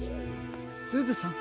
すずさん